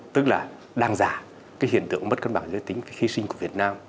tức là đang giả cái hiện tượng mất cân bằng giới tính cái khí sinh của việt nam